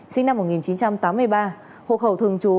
sinh năm một nghìn chín trăm tám mươi ba hộ khẩu thường trú